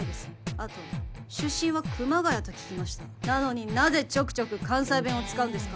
あと出身は熊谷と聞きましたなのになぜちょくちょく関西弁を使うんですか？